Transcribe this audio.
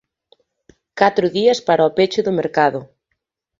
Catro días para o peche do mercado.